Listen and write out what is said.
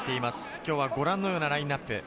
今日はご覧のようなラインアップ。